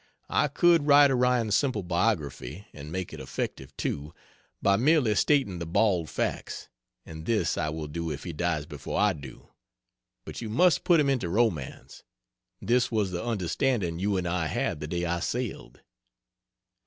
I could write Orion's simple biography, and make it effective, too, by merely stating the bald facts and this I will do if he dies before I do; but you must put him into romance. This was the understanding you and I had the day I sailed.